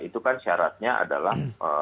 itu kan syaratnya adalah